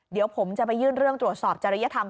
เดี๋ยวผมจะไปยื่นเรื่องตรวจสอบจริยธรรม